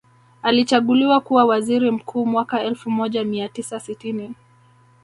Alichaguliwa kuwa waziri mkuu mwaka elfu moja mia tisa sitini